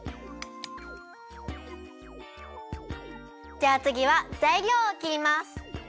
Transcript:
じゃあつぎはざいりょうをきります。